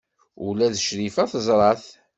Ula d Crifa teẓra-t.